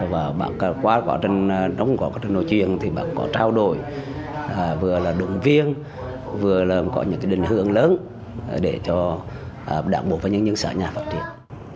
và bạn qua trong các nội truyền thì bạn có trao đổi vừa là động viên vừa là có những cái định hướng lớn để cho đảng bộ và những sở nhà phát triển